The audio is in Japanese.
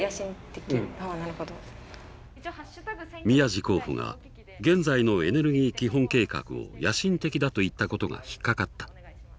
宮路候補が現在のエネルギー基本計画を野心的だと言ったことが引っ掛かった。